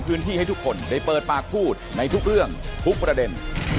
ประตูหน้าต่างไม่ต้องเปิดเลย